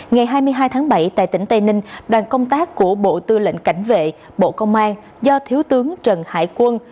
ngày hai mươi hai tháng bảy tại tỉnh tây ninh đoàn công tác của bộ tư lệnh cảnh vệ bộ công an do thiếu tướng trần hải quân